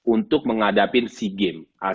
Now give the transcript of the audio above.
untuk menghadapi sea games